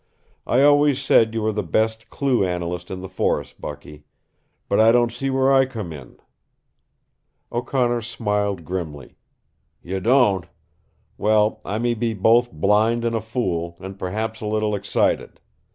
"I always said you were the best clue analyst in the force, Bucky. But I don't see where I come in." O'Connor smiled grimly. "You don't? Well, I may be both blind and a fool, and perhaps a little excited.